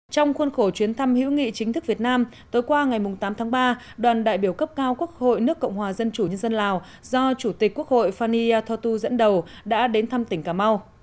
trong khuôn khổ chuyến thăm hữu nghị chính thức việt nam tối qua ngày tám tháng ba đoàn đại biểu cấp cao quốc hội nước cộng hòa dân chủ nhân dân lào do chủ tịch quốc hội fani thotu dẫn đầu đã đến thăm tỉnh cà mau